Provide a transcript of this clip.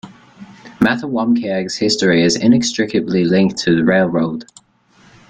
Mattawamkeag's history is inextricably linked to the railroad.